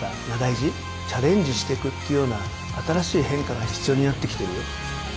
チャレンジしてくっていうような新しい変化が必要になってきてる。